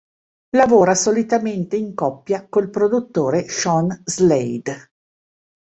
Lavora solitamente in coppia col produttore Sean Slade.